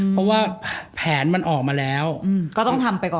เพราะว่าแผนมันออกมาแล้วก็ต้องทำไปก่อน